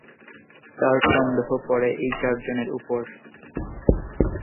তার সন্দেহ পড়ে এই চারজনের ওপর।